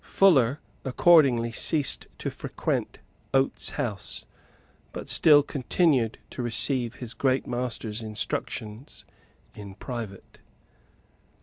Fuller accordingly ceased to frequent Oates's house, but still continued to receive his great master's instructions in private.